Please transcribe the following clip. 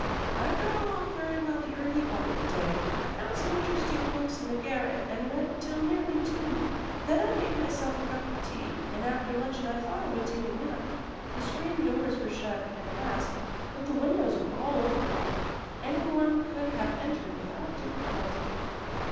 "I got along very well the early part of the day. I found some interesting books in the garret and read till nearly two. Then I made myself a cup of tea, and after luncheon I thought I would take a nap. The screened doors were shut and hasped, but the windows were all open. Any one could have entered without difficulty."